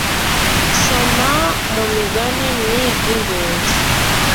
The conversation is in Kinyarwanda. Soma mu Migani Ni iby ingenzi